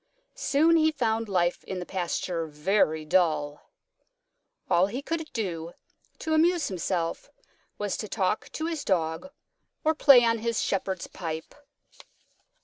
Soon he found life in the pasture very dull. All he could do to amuse himself was to talk to his dog or play on his shepherd's pipe.